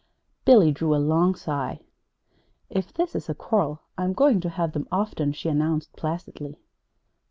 Billy drew a long sigh. "If this is a quarrel I'm going to have them often," she announced placidly.